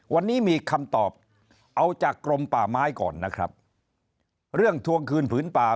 วันนี้มีคำตอบเอาจากกรมป่าไม้ก่อนนะครับเรื่องทวงคืนผืนป่า